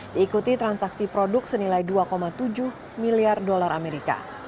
diikuti transaksi produk senilai dua tujuh miliar dolar amerika